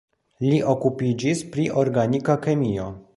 Li okupiĝis pri organika kemio.